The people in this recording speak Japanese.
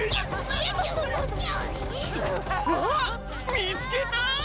見つけた！